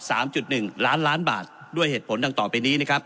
จุดหนึ่งล้านล้านบาทด้วยเหตุผลดังต่อไปนี้นะครับ